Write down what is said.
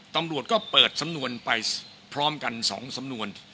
ตำรวจก็เปิดสำนวนไปพร้อมกัน๒สำนวน